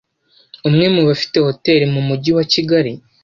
umwe mu bafite hoteli mu Mujyi wa Kigali